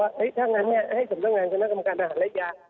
เราก็บอกว่าเอ้ยถ้างั้นเนี่ยให้สำนักงานสำนักงานอาหารระยะ